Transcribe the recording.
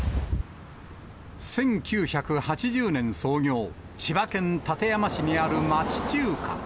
１９８０年創業、千葉県館山市にある町中華。